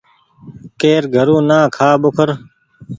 ڪير گھرون نا کآ ٻوکر